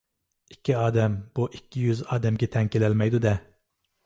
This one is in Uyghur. ئىككى ئادەم بۇ ئىككى يۈز ئادەمگە تەڭ كېلەلمەيدۇ-دە.